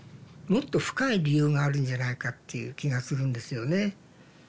もっと深い理由があるんじゃないかっていう気がするんですよね。